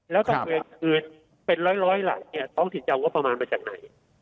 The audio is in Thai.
แล้วก็เป็นคืนเป็นร้อยร้อยหลายเนี้ยท้องถิ่นจะวงว่าประมาณมาจากไหน